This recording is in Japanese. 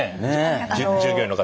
従業員の方で？